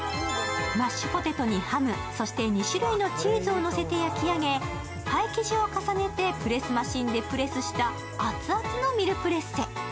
マッシュポテトにハム、そして２種類のチーズをのせて焼き上げ、焼き上げ、パイ生地を重ねてプレスマシンでプレスした熱々のｍｉｌｌｅｐｒｅｓｓｅ。